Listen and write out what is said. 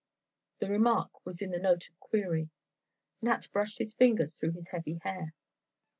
The remark was in the note of query. Nat brushed his fingers through his heavy hair.